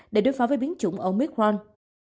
để đối phó với biến chủng omicron